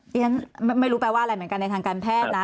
ฉันไม่รู้แปลว่าอะไรเหมือนกันในทางการแพทย์นะ